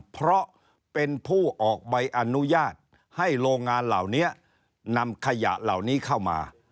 เพราะเป็นผู้ออกใบอนุญาตให้โรงงานเหล่านี้นำขยะเหล่านี้เข้ามา